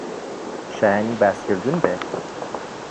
شایانی باسکردن بێت